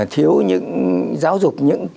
thiếu những giáo dục